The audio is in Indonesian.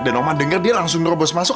dan oma denger dia langsung nerobos masuk